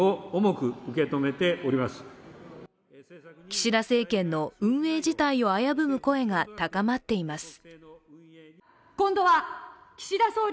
岸田政権の運営自体を危ぶむ声が高まっています。